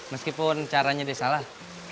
meskipun caranya dia salah